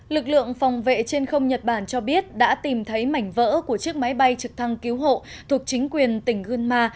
lực lượng phòng vệ trên không nhật bản cho biết đã tìm thấy mảnh vỡ của chiếc máy bay trực thăng cứu hộ thuộc chính quyền tỉnh gunma